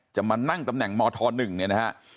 จะมานั่งตำแหน่งมธ๑เนี่ยนะฮะ